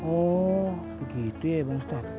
oh begitu ya bang ustadz